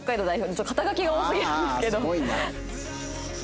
ちょっと肩書が多すぎるんですけど。